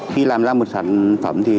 khi làm ra một sản phẩm thì